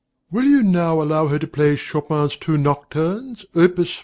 Will you allow her now to play Chopin's two nocturnes, Opus 48?